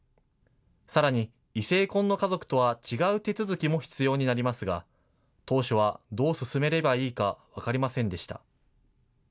さらに、異性婚の家族とは違う手続きも必要になりますが、当初は、どう進めればいいか、分かりませんでした。